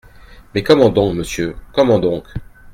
Mais comment donc monsieur, comment donc !…